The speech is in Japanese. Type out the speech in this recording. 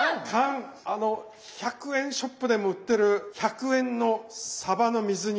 あの１００円ショップでも売ってる１００円のさばの水煮。